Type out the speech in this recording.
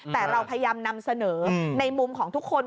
แต่เราพยายามนำเสนอในมุมของทุกคน